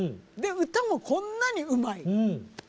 で歌もこんなにうまい。